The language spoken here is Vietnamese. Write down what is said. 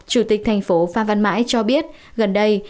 chủ tịch tp hcm phan văn mãi cho biết gần đây